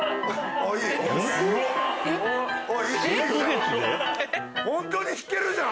あっいいじゃん